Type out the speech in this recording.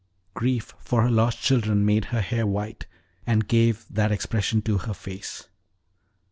Grief for her lost children made her hair white, and gave that expression to her face."